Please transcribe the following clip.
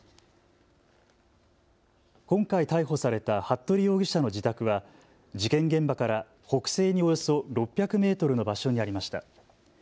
今回、逮捕された服部容疑者の自宅は事件現場から北西におよそ６００メートルの場所にありました。